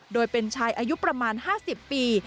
โดยเป็นชายอายุประมาณ๕๐ปี